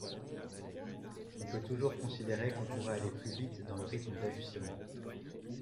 On peut toujours considérer qu’on pourrait aller plus vite dans le rythme d’ajustement.